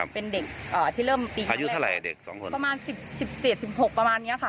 เป็นเด็กที่เริ่มตีอายุเท่าไหร่เด็กสองคนประมาณสิบสิบเจ็ดสิบหกประมาณเนี้ยค่ะ